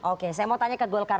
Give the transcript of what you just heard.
oke saya mau tanya ke golkar